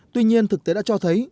tuy nhiên thực tế đã cho thấy